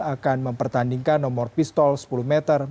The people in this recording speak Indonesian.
akan mempertandingkan nomor pistol sepuluh meter